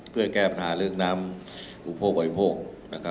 เพื่อแก้ปัญหาเรื่องน้ำอุปโภคบริโภค